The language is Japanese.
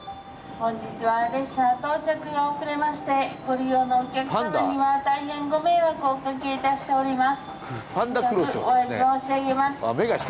「本日は列車到着が遅れましてご利用のお客様には大変ご迷惑をおかけいたしております」。